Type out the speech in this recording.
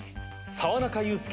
沢中裕介